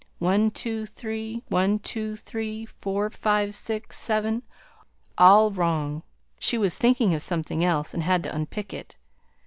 One, two, three. One, two, three, four, five, six, seven; all wrong: she was thinking of something else, and had to unpick it.